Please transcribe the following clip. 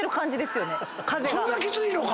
そんなきついのか。